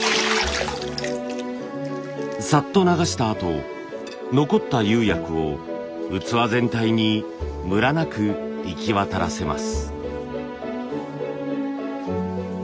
さっと流したあと残った釉薬を器全体にムラなく行き渡らせます。